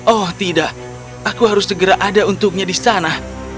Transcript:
oh tidak aku harus segera ada untuknya di sana